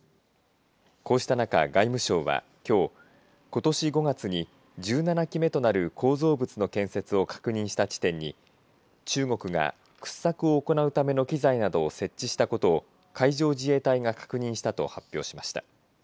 こうした中、外務省は、きょうことし５月に１７基目となる構造物の建設を確認した地点に中国が掘削を行うための機材などを設置したことを海上自衛隊が確認したと発表しました。